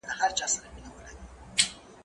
زه کتابتوننۍ سره وخت تېروولی دی!!